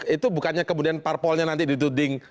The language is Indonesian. itu bukannya kemudian parpolnya nanti dituding